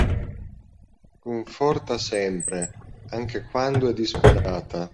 Conforta sempre, anche quando è disperata